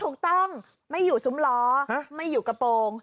ถูกต้องไม่อยู่ซุ้มล้อไม่อยู่กระโปรง